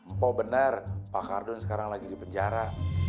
emang bener pak cardun sekarang lagi di penjara